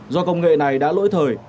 do công nghệ này đã lỗi thời